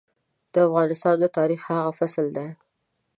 د افغانستان د تاريخ هغه فصل دی.